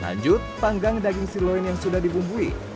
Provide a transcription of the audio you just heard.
lanjut panggang daging siloin yang sudah dibumbui